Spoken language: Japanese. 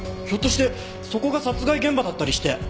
ひょっとしてそこが殺害現場だったりして！